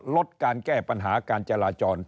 ลดการแก้ปัญหาการจราจร